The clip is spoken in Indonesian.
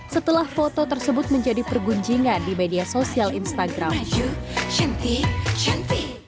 setelah foto tersebut menjadi pergunjingan di media sosial instagram